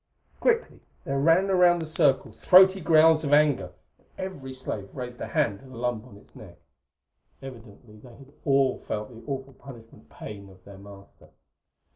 Quickly there ran around the circle throaty growls of anger, and every slave raised a hand to the lump on its neck. Evidently they had all felt the awful punishment pain of their master.